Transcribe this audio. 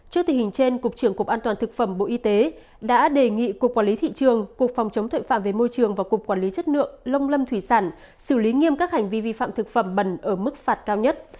trước tình hình trên cục trưởng cục an toàn thực phẩm bộ y tế đã đề nghị cục quản lý thị trường cục phòng chống tội phạm về môi trường và cục quản lý chất lượng lông lâm thủy sản xử lý nghiêm các hành vi vi phạm thực phẩm bẩn ở mức phạt cao nhất